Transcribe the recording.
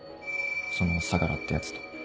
その相楽ってヤツと。